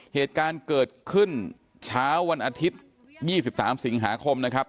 เหตุการณ์เกิดขึ้นเช้าวันอาทิตย์๒๓สิงหาคมนะครับ